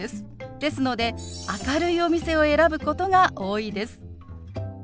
ですので明るいお店を選ぶことが多いです。